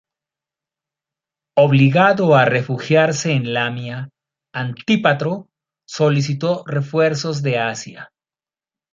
Obligado a refugiarse en Lamia, Antípatro solicitó refuerzos de Asia.